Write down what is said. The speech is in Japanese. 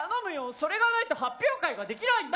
それがないと発表会ができないんだ。